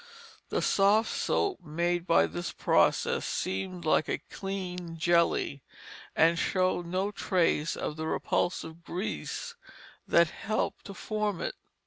The soft soap made by this process seemed like a clean jelly, and showed no trace of the repulsive grease that helped to form it.